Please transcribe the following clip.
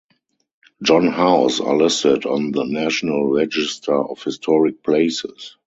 John House are listed on the National Register of Historic Places.